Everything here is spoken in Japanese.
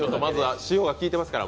塩が効いてますから。